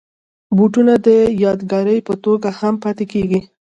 بوټونه د یادګار په توګه هم پاتې کېږي.